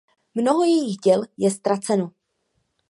Mnoho jejích děl je ztraceno.